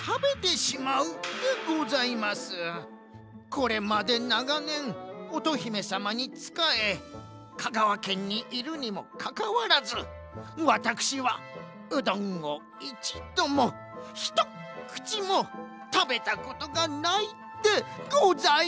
これまでながねん乙姫さまにつかえ香川県にいるにもかかわらずワタクシはうどんをいちどもひとっくちもたべたことがないでございます！